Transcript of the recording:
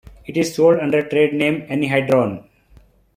It is sold under the trade name anhydrone.